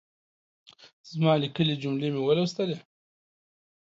زما ليکلۍ جملې مو ولوستلې؟